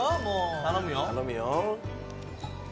頼むよ。